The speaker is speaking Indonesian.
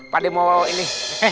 pade mau ini